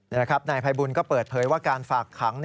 นายภัยบุญเข้าเปิดเผยว่าการฝากขัง